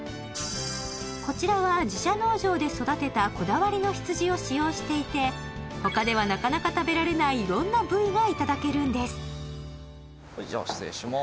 こちらは自社農場で育てたこだわりの羊を使用していて他ではなかなか食べられない色んな部位がいただけるんですそれじゃあ失礼します